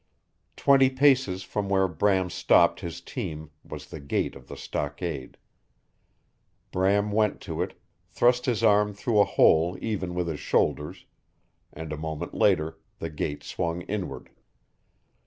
Twenty paces from where Bram stopped his team was the gate of the stockade. Bram went to it, thrust his arm through a hole even with his shoulders, and a moment later the gate swung inward.